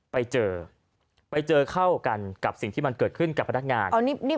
ภาษาอีสาน